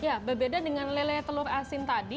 ya berbeda dengan lele telur asin tadi